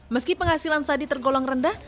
meski penghasilan sadi tergolong rendah